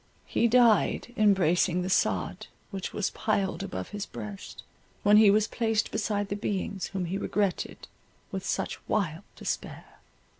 He died embracing the sod, which was piled above his breast, when he was placed beside the beings whom he regretted with such wild despair.